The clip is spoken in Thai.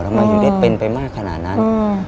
ทำไมถึงได้เป็นไปมากขนาดนั้น